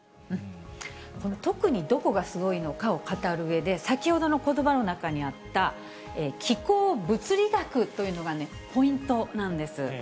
この特にどこがすごいのかを語るうえで、先ほどのことばの中にあった気候物理学というのがポイントなんです。